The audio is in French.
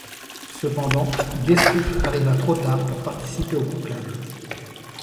Cependant Gaisruck arriva trop tard pour participer au conclave.